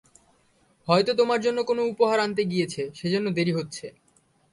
হয়তো তোমার জন্য কোনো উপহার আনতে গিয়েছে, সেজন্য দেরি হচ্ছে।